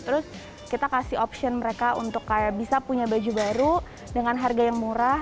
jadi kita kasih opsi mereka untuk kayak bisa punya baju baru dengan harga yang murah